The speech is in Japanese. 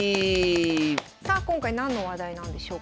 さあ今回何の話題なんでしょうか。